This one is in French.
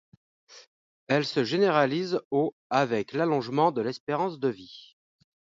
Elle se généralise au avec l'allongement de l'espérance de vie.